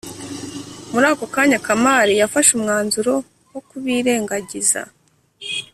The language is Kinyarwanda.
Muri ako kanya kamali yafashe umwanzuro wo kubirengagiza